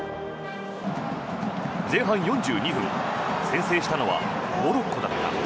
前半４２分、先制したのはモロッコだった。